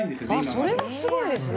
それはすごいですね。